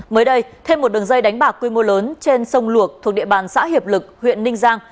mới đây thêm một đường dây đánh bạc quy mô lớn trên sông luộc thuộc địa bàn xã hiệp lực huyện ninh giang